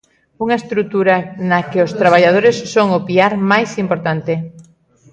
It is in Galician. Unha estrutura na que os traballadores son o piar máis importante.